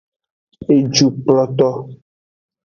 Ejukploto.